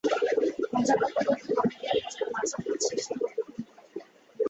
মজা করতে করতে কমেডিয়ানরা যেন মাঝেমধ্যে সেই সীমা অতিক্রম করে ফেলেন।